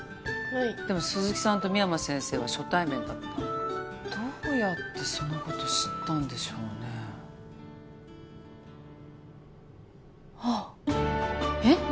でも鈴木さんと深山先生は初対面だったどうやってそのこと知ったんでしょうねああえッ？